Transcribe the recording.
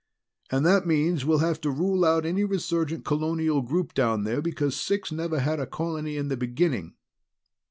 And that means we'll have to rule out any resurgent colonial group down there, because Six never had a colony in the beginning."